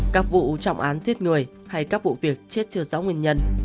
các vụ trọng án giết người hay các vụ việc chết chưa rõ nguyên nhân